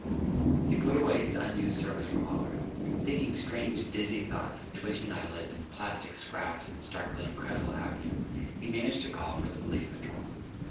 He put away his unused service revolver. Thinking strange, dizzy thoughts of twitching eyelids and plastic scraps and starkly incredible happenings, he managed to call for the police patrol.